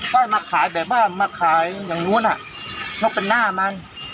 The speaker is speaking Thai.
ก็มาขายแบบว่ามาขายอย่างนู้นอ่ะนกเป็นหน้ามัน